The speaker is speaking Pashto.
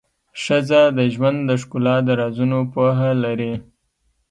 ښځه د ژوند د ښکلا د رازونو پوهه لري.